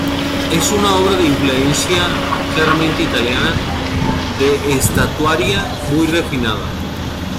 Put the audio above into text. Es una obra de influencia claramente italiana, de estatuaria muy refinada.